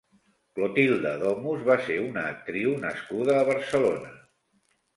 Clotilde Domus va ser una actriu nascuda a Barcelona.